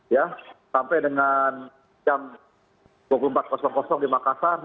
ya sampai dengan jam dua puluh empat di makassar